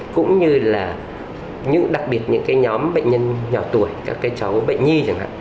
cũng như là đặc biệt những cái nhóm bệnh nhân nhỏ tuổi các cái cháu bệnh nhi chẳng hạn